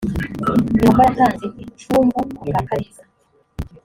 yehova yatanze incungu ku bwa kalisa.